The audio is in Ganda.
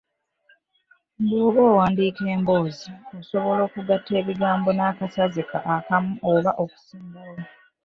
Bw’oba owandiika emboozi, osobola okugatta ebigambo n’akasaze akamu oba okusingawo.